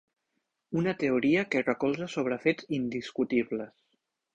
Una teoria que recolza sobre fets indiscutibles.